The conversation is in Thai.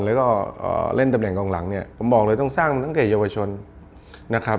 และก็เล่นแบบแหล่งกลางหลังเนี่ยผมบอกเลยต้องตั้งเกี่ยวชนนะครับ